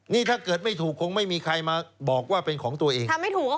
เนี้ยคงไม่มีใครมาบอกว่าเป็นของตัวเอง